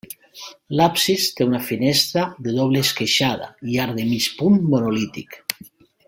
L'absis té una finestra de doble esqueixada i arc de mig punt monolític.